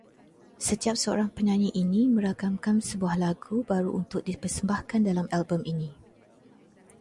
Setiap seorang penyanyi ini merakamkan sebuah lagu baru untuk di persembahkan dalam album ini